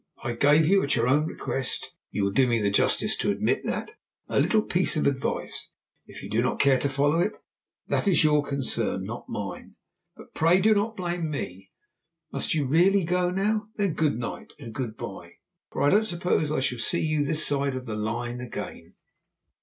I gave you, at your own request you will do me the justice to admit that a little piece of advice. If you do not care to follow it, that is your concern, not mine; but pray do not blame me. Must you really go now? Then good night, and good bye, for I don't suppose I shall see you this side of the Line again."